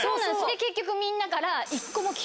結局みんなから。